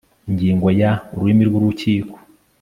ingingo ya ururimi rw urukiko